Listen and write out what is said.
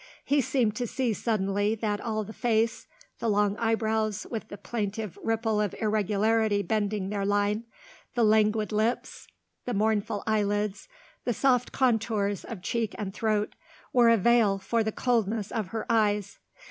He seemed to see suddenly that all the face the long eyebrows, with the plaintive ripple of irregularity bending their line, the languid lips, the mournful eyelids, the soft contours of cheek and throat, were a veil for the coldness of her eyes.